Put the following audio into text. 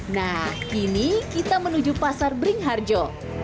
nah kini kita menuju pasar bring harjo